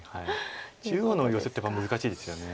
中央のヨセって難しいですよね。